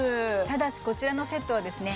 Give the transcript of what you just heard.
ただしこちらのセットはですね